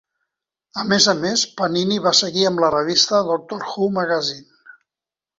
A més a més, Panini va seguir amb la revista "Doctor Who Magazine".